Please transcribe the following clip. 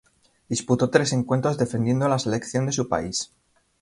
Disputó tres encuentros defendiendo a la selección de su país.